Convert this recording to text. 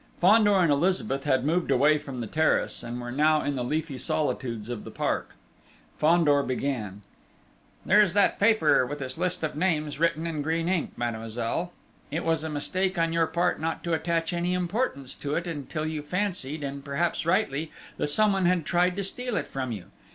Fandor and Elizabeth had moved away from the terrace, and were now in the leafy solitudes of the park. Fandor began: "There is that paper with its list of names, written in green ink, mademoiselle! It was a mistake on your part not to attach any importance to it until you fancied, and perhaps rightly, that someone had tried to steal it from you.